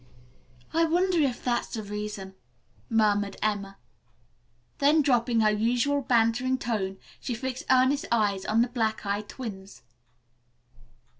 "I wonder if that's the reason," murmured Emma. Then dropping her usual bantering tone, she fixed earnest eyes on the black eyed twins.